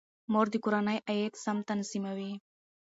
مور د کورنۍ عاید سم تنظیموي.